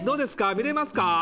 見れますか？